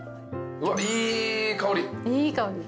うわっいい香り。